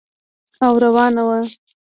او روانه وه.